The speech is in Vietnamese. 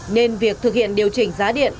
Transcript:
nên việc thực hiện điều chỉnh giá điện